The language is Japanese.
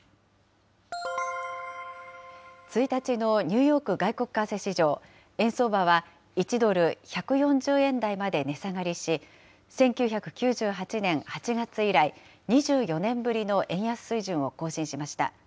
１日のニューヨーク外国為替市場、円相場は１ドル１４０円台まで値下がりし、１９９８年８月以来、２４年ぶりの円安水準を更新しました。